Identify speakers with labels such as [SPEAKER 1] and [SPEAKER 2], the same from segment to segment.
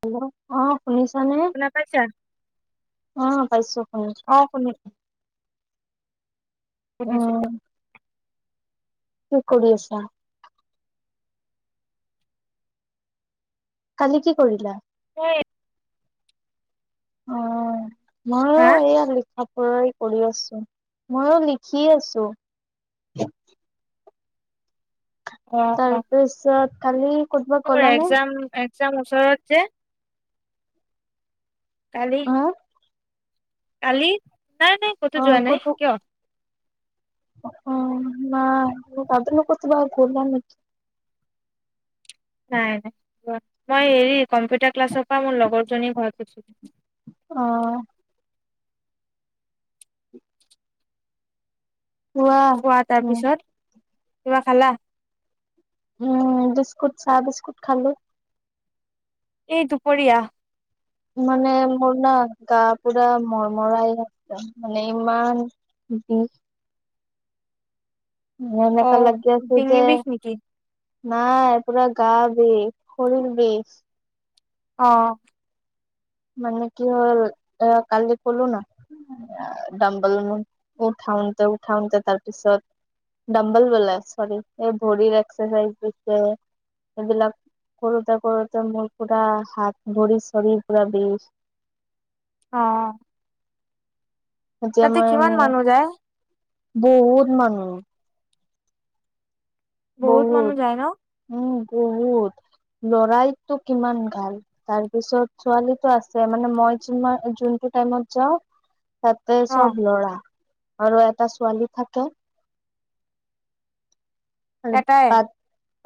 [SPEAKER 1] Hello, অহ শুনিছানে
[SPEAKER 2] শুনা পাইছা?
[SPEAKER 1] অহ পাইছো শুনিছো।
[SPEAKER 2] অ শুনি শুনিছো।
[SPEAKER 1] কি কৰি আছা? কালি কি কৰিলা?
[SPEAKER 2] হয়।
[SPEAKER 1] মই এইয়া লিখা কৰি আছো মইয়ো লিখি আছো। তাৰপিছত কালি ক'তবা গলানে
[SPEAKER 2] এক্সম এক্সাম ওচৰত যে কালি
[SPEAKER 1] হা
[SPEAKER 2] কালি নাই নাই কতো
[SPEAKER 1] অ
[SPEAKER 2] যোৱা নাই
[SPEAKER 1] ক'তো
[SPEAKER 2] কিয়?
[SPEAKER 1] মাৰ তাদ কতনো বাৰ ঘলাম নেকি
[SPEAKER 2] নাই নাই মই হেৰি কম্পিউটাৰ ক্লাছৰ পৰা মোৰ লগৰ জনী ঘৰত গৈছিলো।
[SPEAKER 1] আহ আহোৱা
[SPEAKER 2] খোৱা তাৰ
[SPEAKER 1] উ
[SPEAKER 2] পিছত কিবা খালা
[SPEAKER 1] উম বিস্কুট চাহ বিস্কুট খালো।
[SPEAKER 2] এই দুপৰীয়া
[SPEAKER 1] মানে মোৰ না গা পুৰা মৰমৰাই একদ মানে ইমান দি ম
[SPEAKER 2] অ
[SPEAKER 1] এনেকা লাগি আঁছো
[SPEAKER 2] ডিঙি
[SPEAKER 1] যে
[SPEAKER 2] বিষ নেকি?
[SPEAKER 1] নাই পুৰা গা বিষ শৰীৰ বিষ
[SPEAKER 2] অ
[SPEAKER 1] মানে কি হ'ল এ কালি কলো ন ডম্বল মোৰ উঠাওতে উঠাওতে তাৰ পিছত ডম্বল বোলে চৰি এই ভৰিৰ একচাৰচাইজ দিছে এইবিলাক কৰোতে কৰোতে মোৰ পুৰা হাত ভৰি চৰি পুৰা বিষ
[SPEAKER 2] অ
[SPEAKER 1] এতিয়া
[SPEAKER 2] তাতে
[SPEAKER 1] মই
[SPEAKER 2] কিমান
[SPEAKER 1] মানে
[SPEAKER 2] মানুহ যায়?
[SPEAKER 1] বহুত মানুহ
[SPEAKER 2] বহুত মানুহ যায় ন?
[SPEAKER 1] বহুত উম বহুত লৰাইটো কিমান ভাল তাৰপিছত ছোৱালীতোআছে মানে মই যিমান যোনটো টাইমত যাওঁ তাতে
[SPEAKER 2] অ
[SPEAKER 1] সব লৰা আৰু এটা ছোৱালী থাকে আৰু
[SPEAKER 2] এটাই।
[SPEAKER 1] বাট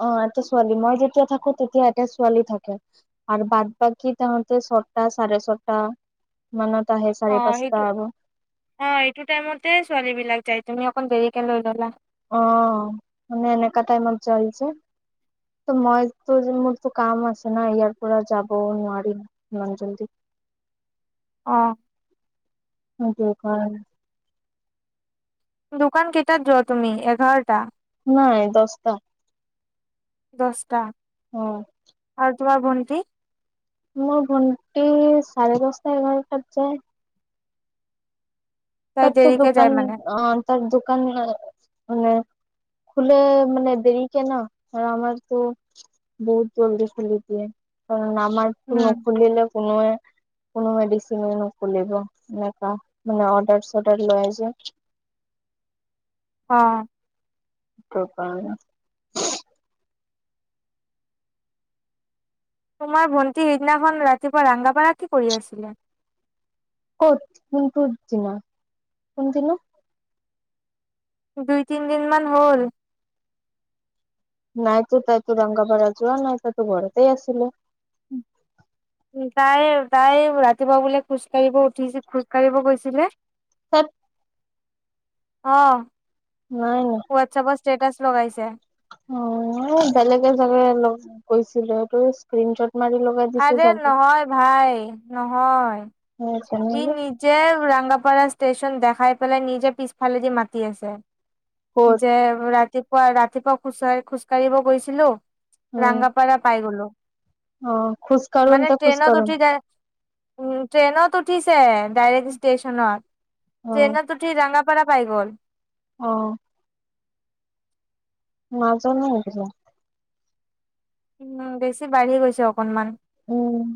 [SPEAKER 1] অ এটা ছোৱালী মই যেতিয়া থাকো তেতিয়া এটা ছোৱালী থাকে আৰু বাদ বাকী তাহতে ছটা চাৰে ছটা মানে
[SPEAKER 2] অ সইটো অ এইটো টাইমতে ছোৱালী বিলাক যাই। তুমি অকন দেৰিকে লৈ ল'লা
[SPEAKER 1] অ মানে এনেকা টাইমত যায় যে ত মই মোৰতো কাম আছে ন ইয়াৰ পৰা যাবও নোৱাৰিম ইমান জল্দি।
[SPEAKER 2] আহ
[SPEAKER 1] অাকে কাৰ [unintelligible]
[SPEAKER 2] দোকান কেইটাত যোৱা তুমি এঘাৰটা
[SPEAKER 1] নাই দহটা
[SPEAKER 2] দছটা
[SPEAKER 1] আহ
[SPEAKER 2] আৰু তোমাৰ বনটি
[SPEAKER 1] মোৰ ভণ্টি চাৰে দচটা এঘাৰটাত যায়।
[SPEAKER 2] তাই
[SPEAKER 1] তাত তোৰ
[SPEAKER 2] দেৰিকে যায়
[SPEAKER 1] দোকান
[SPEAKER 2] মানে
[SPEAKER 1] অঁ তাৰ দোকান মানে খুলে মানে দেৰি কে ন আৰু আমাৰতো বহুত জল্দি খুলি দিয়ে কাৰণ আমাৰতো
[SPEAKER 2] উম
[SPEAKER 1] নুখুলিলে কোনোৱে োনো মেডিব এনে মানে অৰ্ডাৰ [unintelligible] চটাৰ লৈ যায়
[SPEAKER 2] অঁ
[SPEAKER 1] সেই কাৰণে।
[SPEAKER 2] তোমাৰ ভণ্টি সেইদিনাখন ৰাতিপুৱা ৰগাপাৰা কি কৰি আছিলে
[SPEAKER 1] ক'ত কোনটোৰ দিনা কোনদিনা
[SPEAKER 2] দুই তিন দিন মান হ'ল
[SPEAKER 1] নাইতো তাইতো ৰংগাপড়া যোৱা নাই তাই তো ঘৰতেই আছিলে
[SPEAKER 2] উ তাই তাই ৰাতিপুৱা বোলে খোজ কাঢ়িব উঠিছিল খোজ কাঢ়িব গৈছিলে।।
[SPEAKER 1] সত
[SPEAKER 2] আহ।
[SPEAKER 1] নাই ন!
[SPEAKER 2] ষ্টেটাচ লগাইছে।
[SPEAKER 1] অঁ বেলেগে এজনে গৈছিলে স্নত।
[SPEAKER 2] আৰে নহয় ভাই নহয়।
[SPEAKER 1] অ
[SPEAKER 2] ই
[SPEAKER 1] তেনেহলে
[SPEAKER 2] নিজে ৰংগাপাৰা ষ্টেশচন দেখাই পেলাই নিজে পিছফালেদি মাতি আছে
[SPEAKER 1] ক'ত
[SPEAKER 2] যে ৰাতি। ৰাতিপুৱা ৰাতিপুৱা খোজাঢ়ি খোজকাঢ়িব গৈছিলো
[SPEAKER 1] উম
[SPEAKER 2] ৰাংগাপাৰা পাই গলো
[SPEAKER 1] অ খোজ
[SPEAKER 2] মানে
[SPEAKER 1] কাঢ়োতে
[SPEAKER 2] ট্ৰেইনত
[SPEAKER 1] -কাঢ়োতে।
[SPEAKER 2] উঠি যাই উম ট্টেইনত উঠি উঠিছে ষ্ট্ৰেচন
[SPEAKER 1] অ
[SPEAKER 2] ট্টেইনত উঠি ৰাংগা পৰা পাই গ'ল।
[SPEAKER 1] অঁ নাজানো
[SPEAKER 2] উ বেছি বাঢ়ি গৈছে অকনমান
[SPEAKER 1] উম-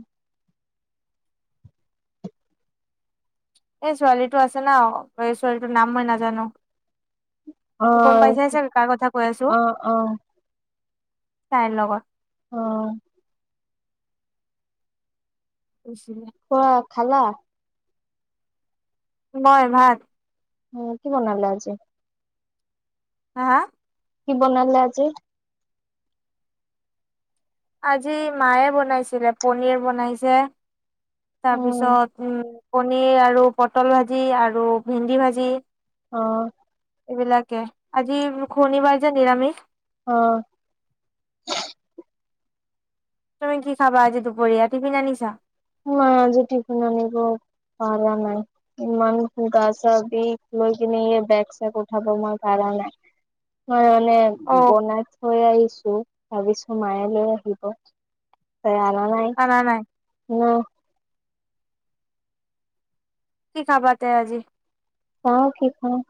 [SPEAKER 2] এই ছোৱালীটো আছে না এই ছোৱালীটোৰ নাম মই নাজানো গম
[SPEAKER 1] আহ
[SPEAKER 2] পাইছাই চাগে
[SPEAKER 1] আহ আহ।
[SPEAKER 2] তাই পৰা
[SPEAKER 1] আহ।
[SPEAKER 2] পছিল [inaudible]
[SPEAKER 1] খোৱা খালা!
[SPEAKER 2] মই ভাত
[SPEAKER 1] উ কি বনালে আজি
[SPEAKER 2] হা হা
[SPEAKER 1] কি বনালে আজি
[SPEAKER 2] আজি মায়ে বনাইছিলে পনিৰ বনাইছে
[SPEAKER 1] উম
[SPEAKER 2] তাৰপিছত উম পনীৰ আৰু পটল ভাজি আৰু ভেন্দি ভাজি
[SPEAKER 1] অহ
[SPEAKER 2] এইবিলাকে আজি শনিবাৰ যে নিৰামিষ
[SPEAKER 1] অ
[SPEAKER 2] তুমি কি খাবা আজি দুপৰীয়া তিফিন আনিছা
[SPEAKER 1] মই আজি তিফিন আনিব পাৰা নাই ইমান গা চা বিষ গৈকিনে বেগ চেগ উঠাব মই পাৰা নাই
[SPEAKER 2] অ
[SPEAKER 1] ম বনাই থৈ আহিছোঁ ভাবিছো মায়ে লৈ আহিব ত আনা নাই
[SPEAKER 2] খানা নাই
[SPEAKER 1] নাই
[SPEAKER 2] কি খাবা তে আজি
[SPEAKER 1] চাওঁ কি খাওঁ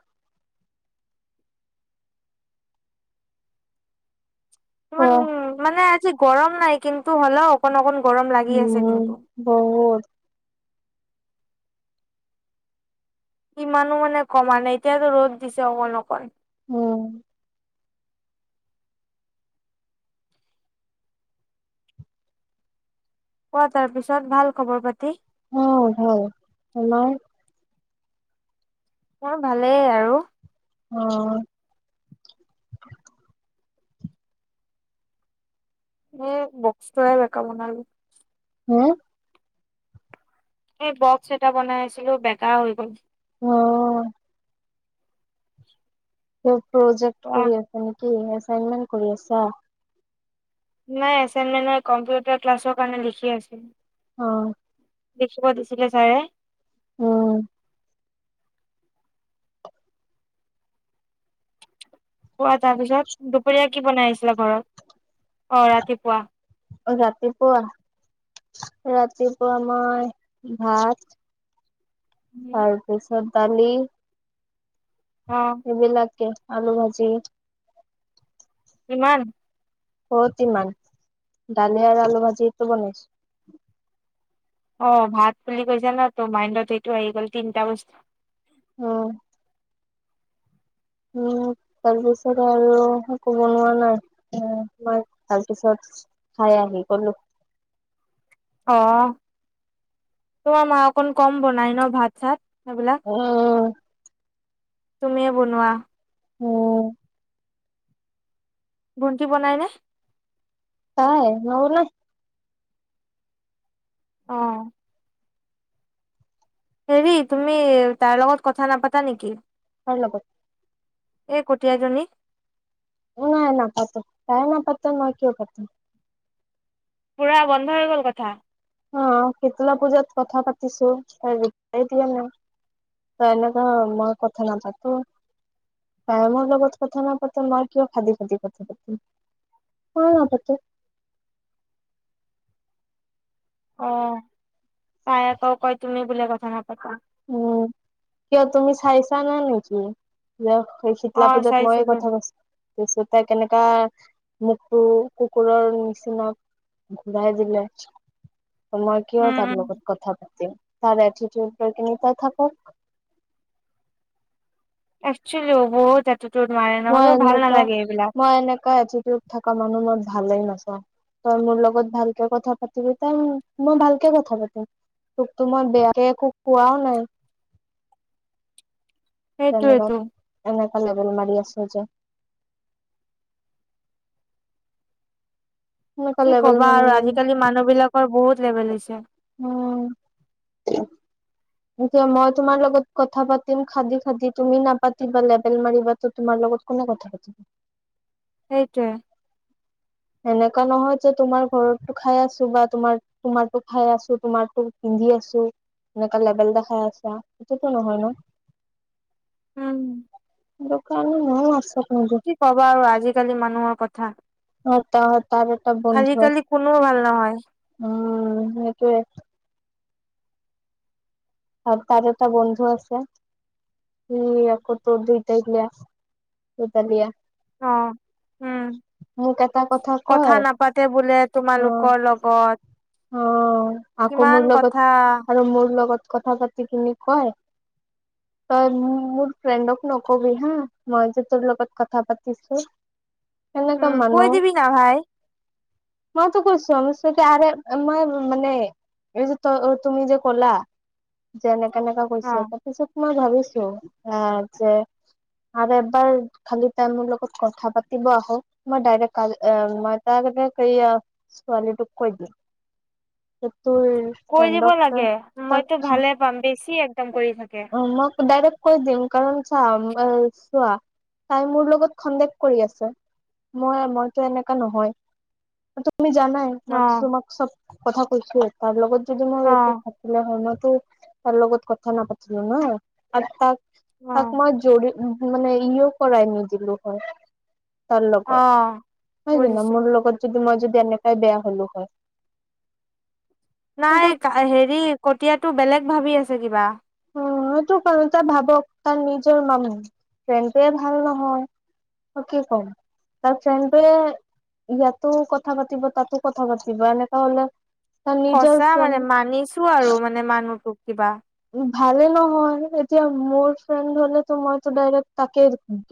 [SPEAKER 2] ম
[SPEAKER 1] খোৱা
[SPEAKER 2] উ মানে গৰম নাই কিন্তু হ'লেও অকণ অকণ গৰম লাগি আছে
[SPEAKER 1] উম
[SPEAKER 2] কিন্তু
[SPEAKER 1] বহুত
[SPEAKER 2] ইমানো মানে কমা নাই এতিয়াতো ৰ'দ দিছে অকণ অকণ
[SPEAKER 1] উম
[SPEAKER 2] কোৱা তাৰ পিছত ভাল খবৰ পাতি
[SPEAKER 1] অ ভাল তোমাৰ
[SPEAKER 2] মোৰ ভালেই আৰু
[SPEAKER 1] অ
[SPEAKER 2] এ বক্সটোহে বেকা বনালো
[SPEAKER 1] হে
[SPEAKER 2] এ বক্স এটা বনাই আছিলোঁ বেকা হৈ গ'ল
[SPEAKER 1] অ ঠেৎ প্ৰজেক্ট
[SPEAKER 2] কোৱা
[SPEAKER 1] কৰি আছা নেকি কি এচাইনমেন্ট কৰি আছা
[SPEAKER 2] নাই এচাইনমেন্ট নহয়, কম্পিউটাৰ ক্লাছৰ কাৰণে লিখি আছো
[SPEAKER 1] অ
[SPEAKER 2] লিখিব দিছিলে ছাৰে
[SPEAKER 1] উম
[SPEAKER 2] কোৱা তাৰ পিছত দুপৰীয়া কি বনাই আ ঘৰত অ ৰাতিপুৱা
[SPEAKER 1] ৰাতিপুৱা ৰাতিপুৱা মই ভাত তাৰপিছত তালি
[SPEAKER 2] অ
[SPEAKER 1] এইবিলাকে আলু ভাজি
[SPEAKER 2] ইমান?
[SPEAKER 1] ক'ত ইমান? দালি আৰু আলু ভাজিটোৱেতো বনাইছো।
[SPEAKER 2] অ' ভাত বুলি কৈছা ন? ত' মাইণ্ডত এইটো আহি গ'ল তিনটা বস্তু
[SPEAKER 1] উম। উম তাৰপিছত আৰু একো বনোৱা নাই। মই তাৰপিছত খাই আহি গ'লো।
[SPEAKER 2] অ'। তোমাৰ মা অকণ কম বনায় ন ভাত-চাত?
[SPEAKER 1] উম।
[SPEAKER 2] তুমিয়ে বনোৱা।
[SPEAKER 1] উম।
[SPEAKER 2] ভণ্টি বনায় নে?
[SPEAKER 1] তাই? নবনায়।
[SPEAKER 2] অ' হেৰি, তুমি তাৰ লগত কথা নাপাতা নেকি?
[SPEAKER 1] কাৰ লগত?
[SPEAKER 2] এই কটীয়াজনী।
[SPEAKER 1] নাই নাপাতো। তাই নাপাতে, মই কিয় পাতিম?
[SPEAKER 2] পুৰা বন্ধ হৈ গ'ল কথা।
[SPEAKER 1] অ' শীতলা পূজাত কথা পাতিছো, তাই দিয়া নাই। ত এনেকা মই কথা নাপাতো। তাই মোৰ লগত কথা নাপাতে, মই কিয় খাদি-খাদি কথা পাতিম, মইও নাপাতো।
[SPEAKER 2] অ' তাই আকৌ কয়, তুমি বোলে কথা নাপাাতা।
[SPEAKER 1] উম। কিয় তুমি চাইছা নে নেকি
[SPEAKER 2] অ
[SPEAKER 1] শীতলা পূজাত মইয়ে
[SPEAKER 2] চাইছিলো
[SPEAKER 1] কথা কৈছো, তাৰপিছত তাই কেনেকা মোকতো কুকুৰৰ নিচিনা ঘূৰাই দিলে। ত মই কিয়
[SPEAKER 2] উম
[SPEAKER 1] তাৰ
[SPEAKER 2] উম
[SPEAKER 1] লগত কথা পাতিম! তাৰ এটিটিউড ত তেনেকাই থাকক।
[SPEAKER 2] [unintelligible] ন
[SPEAKER 1] মই
[SPEAKER 2] মোৰ ভাল
[SPEAKER 1] এনেকা,
[SPEAKER 2] নালাগে এইবিলাক
[SPEAKER 1] মই এনেকা এটিটিউদ থকা মানুহ মই ভাল ভালেই নাপাওঁ। তই মোৰ লগত ভালকে কথা পাতিবি, তে মই ভালকে কথা পাতিম। তোকতো মই বেয়াকে একো কোৱাও নাই। ধন্যবাদ।
[SPEAKER 2] সেইটোয়েতো
[SPEAKER 1] এনেক ভাল-ভল মাৰি আছো যে এনেকা
[SPEAKER 2] কি
[SPEAKER 1] লেবেল
[SPEAKER 2] ক'বা
[SPEAKER 1] মাৰি
[SPEAKER 2] আৰু আজিকালি মানুহবিলাকৰ বহুত লেভেল হৈছে।
[SPEAKER 1] উম। এতিয়া মই তোমাৰ লগত কথা পাতিম খাদি-খাদি, তুমি নাপাতিবা, লেবেল মাৰিবা। ত' তোমাৰ লগত কোনে কথা পাতিব?
[SPEAKER 2] টোৱে
[SPEAKER 1] এনেকুৱা নহয় যে, তোমাৰ ঘৰতো খাই আছো বা তোমাৰ-তোমাৰতো খাই আছো। তোমাৰতো পিন্ধি আছো। এনেকুৱা লেবেল দেখাই আছা, সেইটোতো নহয় ন?
[SPEAKER 2] উম।
[SPEAKER 1] দোকান [unintelligible]
[SPEAKER 2] কি ক'বা আৰু! আজিকালি মানুহৰ কথা!
[SPEAKER 1] অ ত হয় ত এটা বন্ধু আ
[SPEAKER 2] আজিকালি কোনো ভাল নহয়
[SPEAKER 1] উ উম সেইটোৱে আৰু তাৰ এটা বন্ধু আছে উ আকৌ তোৰ দুইটাই লিয়া দুইটা লিয়া
[SPEAKER 2] অ উম
[SPEAKER 1] মোক এটা কয়
[SPEAKER 2] কথা নাপাতে বোলে
[SPEAKER 1] অ
[SPEAKER 2] তোমালোকৰ লগত।
[SPEAKER 1] অ আকৌ
[SPEAKER 2] কিমান
[SPEAKER 1] মোৰ
[SPEAKER 2] কথা
[SPEAKER 1] লগত আৰু মোৰ। তোৰ লগত কথা পাতি কি কয় তই মোৰ ফ্ৰেণ্ডক নকবি হা মই যে তোৰ লগত কথা পাতিছো
[SPEAKER 2] উম কৈ দিবি না ভাই
[SPEAKER 1] মই তো কৈছো আমি চতোৰে মই মানে এই যে তুমি যে কলা যেনে কেনেকা
[SPEAKER 2] অ
[SPEAKER 1] কৈছে তাৰপিছত মই ভাবিছো এ যে আৰু এবাৰ খালি তাই মোৰ লগত কথা পাতিব আহক মই ডাইৰে্ট কাইলে মই তাই এই ছোৱালীটোক কৈ দিম এক
[SPEAKER 2] কৈ দিব লাগে মইতো ভালে পাম বেছি এক
[SPEAKER 1] অ মই ডাইৰেকট কৈ দিম কাৰ চোৱা তাই মোৰ লগত সন্দেক কৰি আছে মই মইতো এনেকা নহয় মি জানাই
[SPEAKER 2] অ
[SPEAKER 1] মই তোমাক চব কথা কৈছো তাৰ লগত যদি মোৰ
[SPEAKER 2] অ
[SPEAKER 1] একো থাকিলে হয় ত লগত ক কথা নাপাতিলো ন আৰু তাক
[SPEAKER 2] অ
[SPEAKER 1] তাক ম যডি মানে ইও কৰাই নিদিলো হয় তাৰ
[SPEAKER 2] অ
[SPEAKER 1] লগত হয়াই কি ন
[SPEAKER 2] বুজিছো
[SPEAKER 1] মোৰ লগত যদি মই যদি এনেকাই বেয়া হলো হয়
[SPEAKER 2] নাই
[SPEAKER 1] কিন্তু
[SPEAKER 2] হেৰি কটীয়াত তো বেলেগ ভাবি আছে কিবা।
[SPEAKER 1] উ সো ক ভাবক তাৰ নিজৰ মানুহ ফ্ৰেণ্ডটয়ে ভাল নহয় কি কম তাৰ ফ্ৰেণ্ডটয়ে ইয়াতো কথা পাতিব তাতো কথা পাতিব এনেকা হলে তাৰ নিজৰ
[SPEAKER 2] খচা
[SPEAKER 1] ফ্ৰেণ্ড
[SPEAKER 2] মানে মানিছো আৰু মানে মানুহটোক কিবা
[SPEAKER 1] ভালে নহয় এতিয়া মোৰ ফ্ৰেণ্ড হলেো মইতো ডাইৰেক্ট তাকে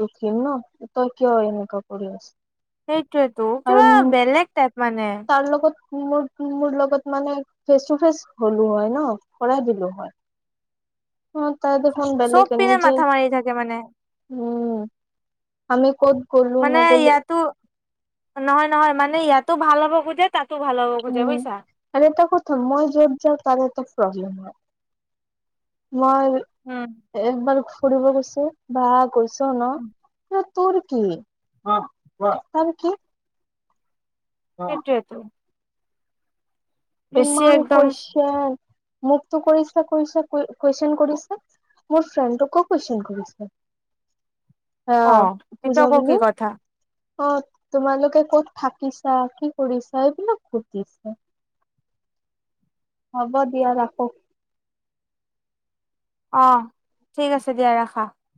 [SPEAKER 1] দুখিম ন তই কিয় এইকা কৰি আছ
[SPEAKER 2] সেইটোৱেতো
[SPEAKER 1] আৰু
[SPEAKER 2] কিবা বেলেগ টাইপ মানে
[SPEAKER 1] তাৰ লগত মোৰ মোৰ লগত মানে ফেচ টু ফেচ হলো হয় ন কৰাই দিলো হয় অ ত দেখোন বেলেগ
[SPEAKER 2] চব পিনে
[SPEAKER 1] এনেই যে
[SPEAKER 2] মাথা মাৰি থাকে মানে
[SPEAKER 1] উম আমি ক'ত গলো
[SPEAKER 2] মানে
[SPEAKER 1] নগ'লো
[SPEAKER 2] ইয়াতো নহয় নহয় মানে ইয়াতো ভাল হ'ব খুজে তাত
[SPEAKER 1] উম আৰু এটা কথা মই যত যাক কাৰটা। প্ৰব্লেম ন মই একবাৰ। ফুৰিব গৈছে বা গৈছে। নো তুৰ্কি অঁ তুৰ্কি।
[SPEAKER 2] সেইটোৱেইেতো। বেছি
[SPEAKER 1] ইমান
[SPEAKER 2] একদম।
[SPEAKER 1] কুৱেশন মোকতো কৰিছো কৰিছো কুৱেশন কৰিছে মোৰ ফ্ৰেণ্ডকো কুৱেশন কৰিছেৱ
[SPEAKER 2] অ এটো আকৌ কি কথা
[SPEAKER 1] অ তোমালোকে ক'ত থাকিছা কি কৰিছা এইবিলাক সুধিছা হ'ব দিয়া ৰাখো।
[SPEAKER 2] অঁ ঠিক আছে দিয়া ৰাখা।